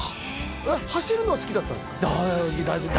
走るのは好きだったんですか？